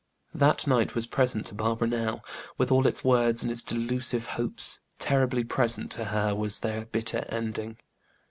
That night was present to Barbara now, with all its words and its delusive hopes; terribly present to her was their bitter ending.